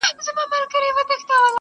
په خبرو په کیسو ورته ګویا سو.!